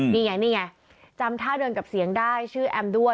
นี่ไงนี่ไงจำท่าเดินกับเสียงได้ชื่อแอมด้วย